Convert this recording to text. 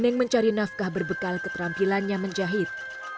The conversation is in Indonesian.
neng mencari nafkah berbekal keterampilannya menjahit